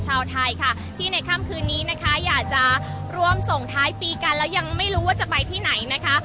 ชาวไทยค่ะที่ในค่ำคืนนี้นะคะอยากจะร่วมส่งท้ายปีกันแล้วยังไม่รู้ว่าจะไปที่ไหนนะคะ